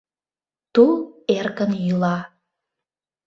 Тул эркын йӱла.